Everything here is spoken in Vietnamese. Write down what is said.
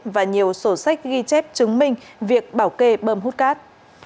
và nhiều sổ sách ghi chép chứng minh việc bảo kê bơm hút cát